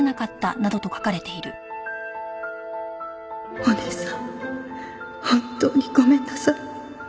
「お姉さん本当にごめんなさい」